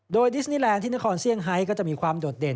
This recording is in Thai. โดยดิสนีแลนด์ที่นครเซี่ยงไฮก็จะมีความโดดเด่น